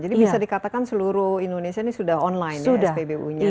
jadi bisa dikatakan seluruh indonesia ini sudah online spbu nya